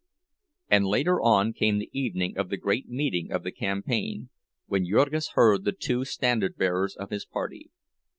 And later on came the evening of the great meeting of the campaign, when Jurgis heard the two standard bearers of his party.